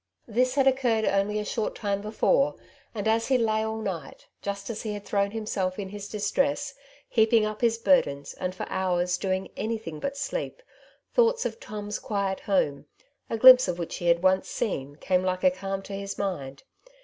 This had occurred only a short time before, and as he lay all night — just as he had thrown himself in his distress, heaping up his burdens, and for hours doing anything but sleep, thoughts of Tom's quiet home, a glimpse of which he had once seen, came like a calm to his mind.